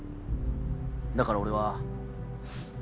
だから俺は。